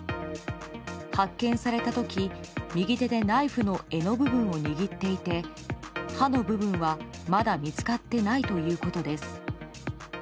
発見された時右手でナイフの柄の部分を握っていて刃の部分は、まだ見つかっていないということです。